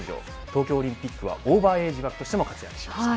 東京オリンピックはオーバーエイジ枠としても活躍しました。